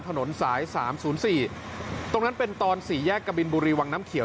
ถนนสาย๓๐๔ตรงนั้นเป็นตอนสี่แยกกบินบุรีวังน้ำเขียว